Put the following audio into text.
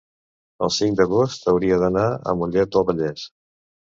el cinc d'agost hauria d'anar a Mollet del Vallès.